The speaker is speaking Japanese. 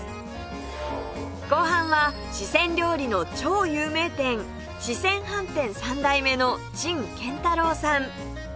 後半は四川料理の超有名店四川飯店３代目の陳建太郎さん